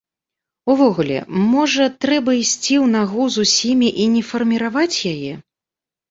Увогуле, можа трэба ісці ў нагу з усімі і не фарміраваць яе?